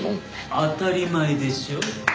当たり前でしょう。